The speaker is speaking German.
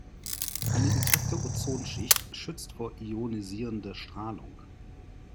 Eine intakte Ozonschicht schützt vor ionisierender Strahlung.